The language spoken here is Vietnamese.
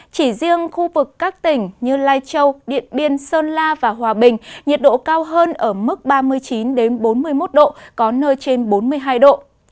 chỉ riêng khu vực các tỉnh như lai châu điện biên sơn la và hòa bình nhiệt độ cao hơn ở mức ba mươi chín bốn mươi một độ có nơi trên bốn mươi hai độ